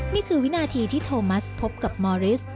วินาทีที่โทมัสพบกับมอริส